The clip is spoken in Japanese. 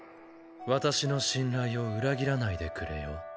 私の信頼を裏切らないでくれよ